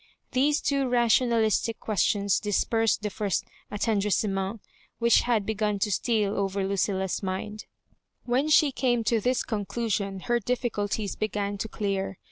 These two rationalistic questions dispersed the first aitendriasement which had be gun to steal over Lucilla's mind. When she came to this conclusion, her difficulties began to clear.